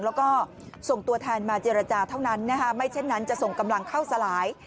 แล้วก็ส่งตัวแทนมาเจรจาเท่านั้นนะคะไม่เช่นนั้นจะส่งกำลังเข้าสลาย